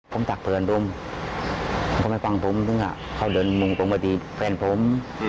ผมจักผื่นลุงเค้าไม่ฟังผมตั้งแต่อะข้าวเดินมงตรงประตีแฟนผม